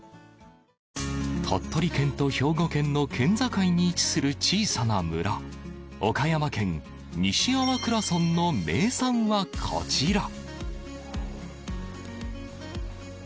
鳥取県と兵庫県の県境に位置する小さな村岡山県西粟倉村の名産はこちら。